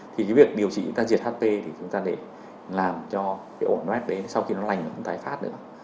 thì cái việc điều trị chúng ta diệt hp thì chúng ta để làm cho cái ổn mát đấy sau khi nó lành nó cũng tái phát nữa